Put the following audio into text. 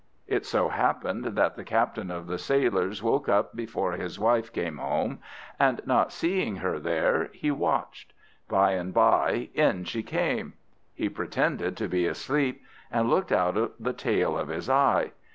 It so happened that the captain of the sailors woke up before his wife came home, and not seeing her there, he watched. By and by in she came; he pretended to be asleep, and looked out of the tail of his eye.